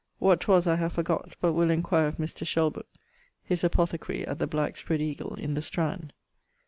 What 'twas I have forgot, but will enquire of Mr. Shelbrooke his apothecary at the Black Spread eagle in the Strand.